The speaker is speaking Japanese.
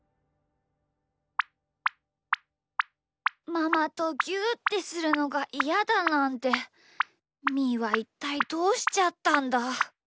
ママとぎゅうってするのがイヤだなんてみーはいったいどうしちゃったんだ？